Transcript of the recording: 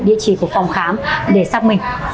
địa chỉ của phòng khám để xác minh